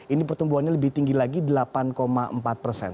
ini pertumbuhannya lebih tinggi lagi delapan empat persen